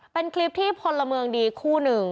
เป็นคลิปที่พลเมืองดีคู่หนึ่ง